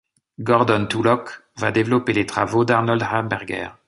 Gordon Tullock va développer les travaux d'Arnold Harberger.